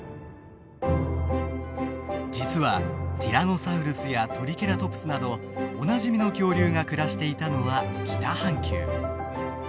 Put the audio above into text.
実はティラノサウルスやトリケラトプスなどおなじみの恐竜が暮らしていたのは北半球。